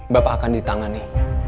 bapak akan ditangani